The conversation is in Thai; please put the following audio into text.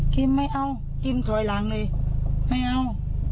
ไม่เอากิมถอยหลังเลยไม่เอา